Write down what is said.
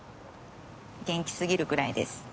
元気すぎるぐらいです。